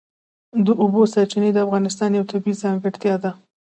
د اوبو سرچینې د افغانستان یوه طبیعي ځانګړتیا ده.